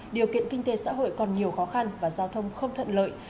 điều kiện kinh tế xã hội còn nhiều khó khăn và giao thông không thuận lợi